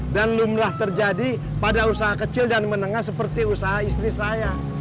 dan lumlah terjadi pada usaha kecil dan menengah seperti usaha istri saya